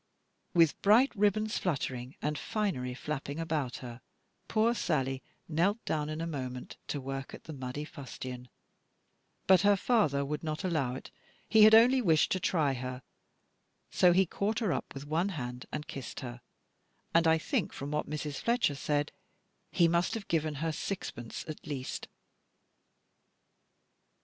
With bright ribbons fluttering and finery flapping about her, poor Sally knelt down in a moment to work at the muddy fustian: but her father would not allow it, he had only wished to try her; so he caught her up with one hand, and kissed her, and I think, from what Mrs. Fletcher said, he must have given her sixpence at least.